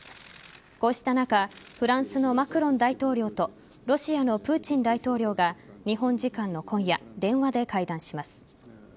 こうした中フランスのマクロン大統領とロシアのプーチン大統領が日本時間の今夜電話で会談します。